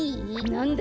なんだ？